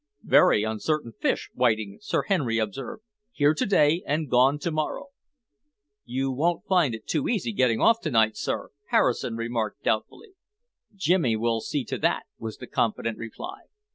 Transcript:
"Very uncertain fish, whiting," Sir Henry observed, "here to day and gone to morrow." "You won't find it too easy getting off to night, sir," Harrison remarked doubtfully. "Jimmy will see to that," was the confident reply.